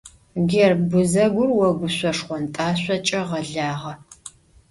Gêrb guzegur voguşso - şşxhont'aşsoç'e ğelağe.